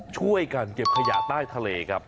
ช่วยกันเก็บขยะใต้ทะเลครับ